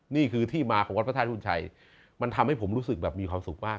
นี่คือที่มาของวัดพระธาตุบุญชัยมันทำให้ผมรู้สึกแบบมีความสุขมาก